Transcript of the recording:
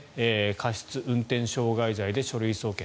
過失運転傷害罪で書類送検。